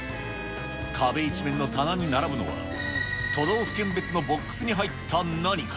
壁一面の棚に並ぶのは、都道府県別のボックスに入った何か。